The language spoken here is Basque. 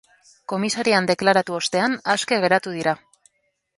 Komisarian deklaratu ostean aske geratu dira.